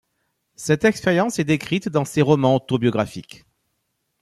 Cette expérience est décrite dans ses romans autobiographiques.